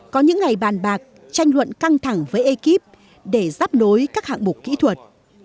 có những ngày bàn bạc tranh luận căng thẳng với ekip để giáp nối các hạng mục kỹ thuật